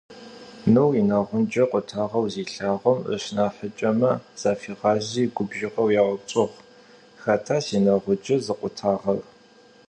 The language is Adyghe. Нур инэгъунджэ къутагъэу зелъэгъум, ышнахьыкӀэмэ зафигъази губжыгъэу яупчӀыгъ: «Хэта синэгъунджэ зыкъутагъэр?».